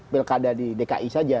pilkada di dki saja